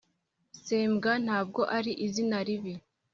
sembwa ntabwo ari izina ribi